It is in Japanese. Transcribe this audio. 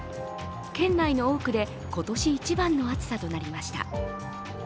県内の多くで今年一番の暑さとなりました。